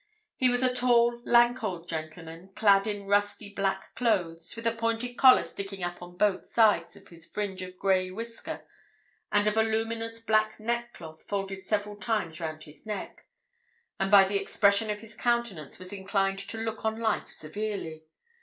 He was a tall, lank old gentleman, clad in rusty black clothes, with a pointed collar sticking up on both sides of his fringe of grey whisker and a voluminous black neckcloth folded several times round his neck, and by the expression of his countenance was inclined to look on life severely.